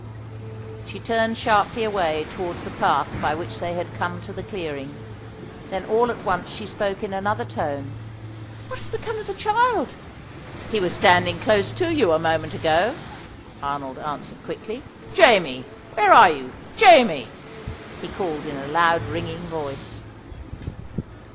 She turned sharply away towards the path by which they had come to the clearing. Then all at once she spoke in another tone "What has become of the child?" "He was standing close to you a moment ago," Arnold answered quickly. "Jamie, where are you? Jamie!" he called, in a loud, ringing voice.